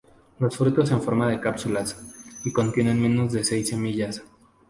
Los frutos en forma de cápsulas, y contienen menos de seis semillas.